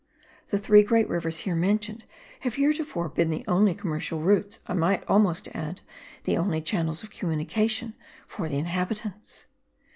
The three great rivers here mentioned have heretofore been the only commercial routes, I might almost add, the only channels of communication for the inhabitants.